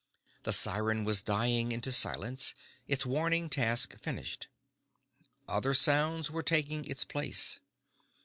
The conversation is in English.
The siren was dying into silence, its warning task finished. Other sounds were taking its place.